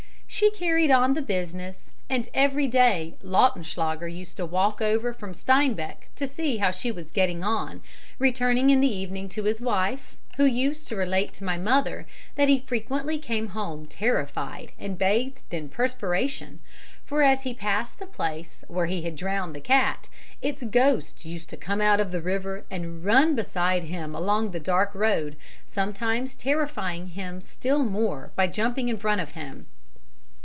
She carried on the business, and every day Lautenschlager used to walk over from Steinbach to see how she was getting on, returning in the evening to his wife, who used to relate to my mother that he frequently came home terrified and bathed in perspiration, for as he passed the place where he had drowned the cat, its ghost used to come out of the river and run beside him along the dark road, sometimes terrifying him still more by jumping in front of him.